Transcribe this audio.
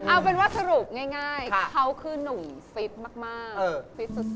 เอาเป็นว่าสรุปง่ายเขาคือนุ่มฟิตมากฟิตสุด